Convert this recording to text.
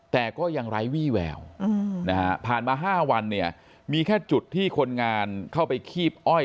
แต่ก็ยังไร้วี่แววผ่านมา๕วันเนี่ยมีแค่จุดที่คนงานเข้าไปคีบอ้อย